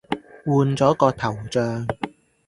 換咗個頭像